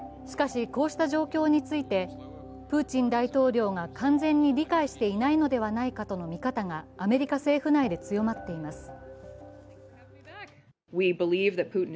しかし、こうした状況について、プーチン大統領が完全に理解していないのではないかとの見方がアメリカ政府内で強まっています。